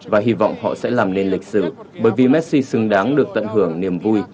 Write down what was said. và hy vọng họ sẽ làm nên lịch sử bởi vì messi xứng đáng được tận hưởng niềm vui